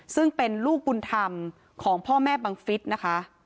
ซึ่งเป็นลูกบุญธรรมของพ่อแม่บังฟิศนะคะ